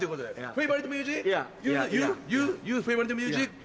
フェイバリットミュージック？